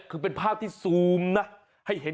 คือเป็นภาพที่ซูมนะให้เห็น